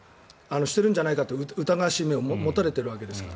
してるんじゃないかと疑わしい目を持たれているわけですから。